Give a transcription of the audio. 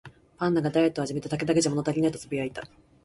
パンダがダイエットを始めて、「竹だけじゃ物足りない」とつぶやいた